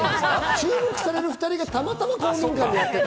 注目される２人がたまたま公民館でやってた。